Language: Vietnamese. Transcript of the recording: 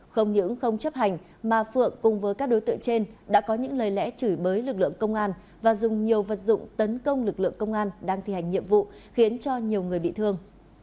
không những không chấp hành mà phượng cùng với các đối tượng trên đã có những lời lẽ chửi bới lực lượng công an và dùng nhiều vật dụng tấn công lực lượng công an đang thi hành nhiệm vụ khiến cho nhiều người bị thương